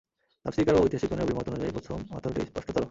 তাফসীরকার ও ঐতিহাসিকগণের অভিমত অনুযায়ী প্রথম অর্থটিই স্পষ্টতর।